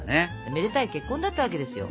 めでたい結婚だったわけですよ。